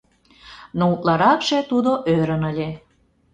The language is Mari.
Но утларакше тудо ӧрын ыле.